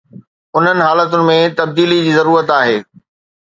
انهن حالتن ۾ تبديلي جي ضرورت آهي.